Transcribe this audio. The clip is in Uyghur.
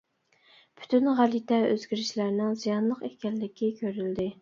پۈتۈن غەلىتە ئۆزگىرىشلەرنىڭ زىيانلىق ئىكەنلىكى كۆرۈلدى.